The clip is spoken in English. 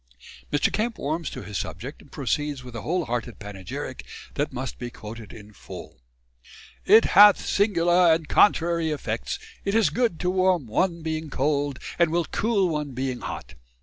Mr. Kemp warms to his subject and proceeds with a whole hearted panegyric that must be quoted in full: "It hath singular and contrary effects, it is good to warm one being cold, and will cool one being hot.